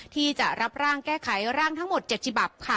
ที่จะรับร่างแก้ไขร่ร่างทั้งหมดเจ็ดจิบับ